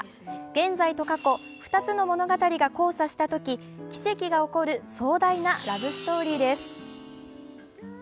現在と過去２つの物語が交差したとき奇跡が起こる壮大なラブストーリーです。